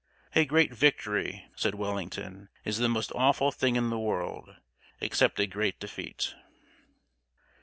"A great victory," said Wellington, "is the most awful thing in the world, except a great defeat."